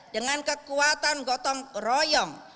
dengan kekuatan gotong royong